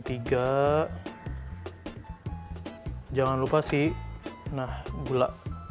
tiga jangan lupa sih nah gula